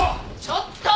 ちょっと！